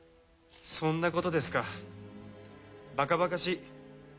そんなことですかバカバカしい。